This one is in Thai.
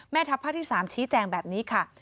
ทัพภาคที่๓ชี้แจงแบบนี้ค่ะ